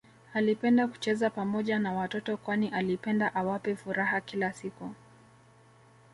Alipenda kucheza Pamoja na watoto kwani alipenda awape furaha kila siku